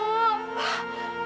pak buan kan